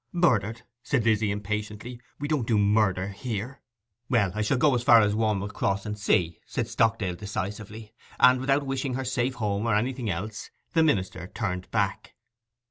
'Murdered!' said Lizzy impatiently. 'We don't do murder here.' 'Well, I shall go as far as Warm'ell Cross to see,' said Stockdale decisively; and, without wishing her safe home or anything else, the minister turned back.